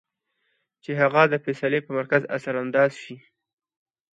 چې هغه د فېصلې پۀ مرکز اثر انداز شي -